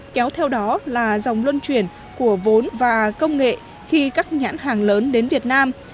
kéo theo đó là dòng luân chuyển của vốn và công nghệ khi các nhãn hàng lớn đến việt nam